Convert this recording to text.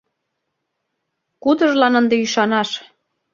Кудыжлан ынде ӱшанаш?